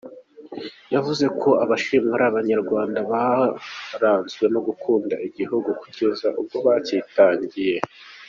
Yavuze ko abashimwa ari Abanyarwanda baranzwe no gukunda igihugu kugera ubwo bakitangiye.